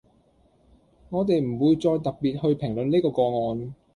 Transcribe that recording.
我哋唔會再特別去評論呢個個案